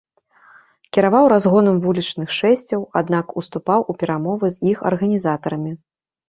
Кіраваў разгонам вулічных шэсцяў, аднак уступаў у перамовы з іх арганізатарамі.